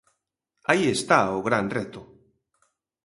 Aí está o gran reto.